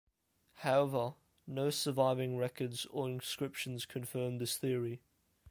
However, no surviving records or inscriptions confirm this theory.